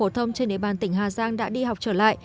trên đề bàn tỉnh hà giang đã đi học trở lại